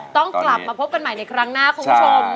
ต้องกลับมาพบกันใหม่ในครั้งหน้าคุณผู้ชม